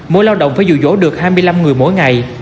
mỗi lao động phải dụ dỗ được hai mươi năm người mỗi ngày